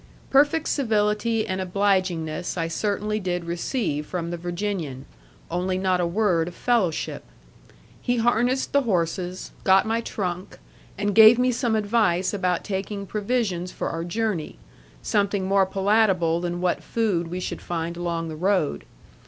Perfect civility and obligingness I certainly did receive from the Virginian, only not a word of fellowship. He harnessed the horses, got my trunk, and gave me some advice about taking provisions for our journey, something more palatable than what food we should find along the road.